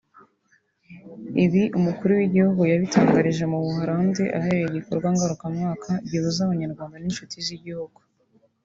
Ibi Umukuru w’Igihugu yabitangarije mu Buholandi ahabereye igikorwa ngarukamwaka gihuza Abanyarwanda n’inshuti z’igihugu